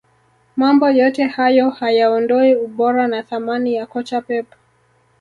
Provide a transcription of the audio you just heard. mambo yote hayo hayaondoi ubora na thamani ya kocha pep